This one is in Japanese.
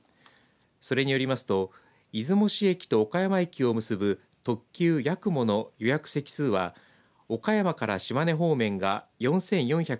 それによりますと出雲市駅と岡山駅を結ぶ特急やくもの予約席数は岡山から島根方面が４４２１席。